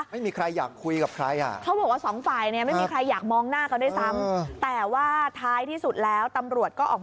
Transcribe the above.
ไม่มีใครอยากคุยกับใคร